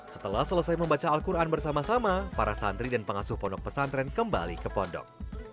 setelah selesai membaca al quran bersama sama para santri dan pengasuh pondok pesantren kembali ke pondok